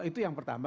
nah itu yang pertama